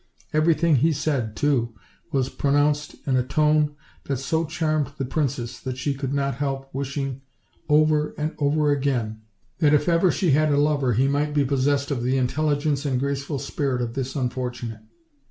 Every thing he said, too, was pronounced in a tone that so charmed the princess that she could not help wishing Over and over again that if ever she had a lover he might OLD. OLD FAIRY TALES. 155 be possessed of the intelligence and graceful spirit of this unfortunate.